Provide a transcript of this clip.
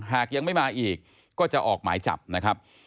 หากยังไม่มาอีกก็จะออกหมายจับนะครับ